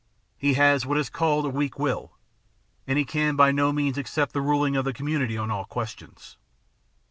He has what is called a weak will, and he can by no means accept the ruling of the community on all questions.